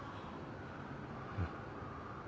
うん。